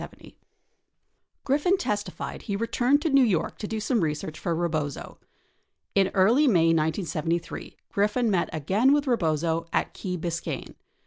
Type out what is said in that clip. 31 Griffin testified he returned to New York to do some research for Rebozo. Tn early May 1973, Griffin met again with Rebozo at Key Bisc ayne.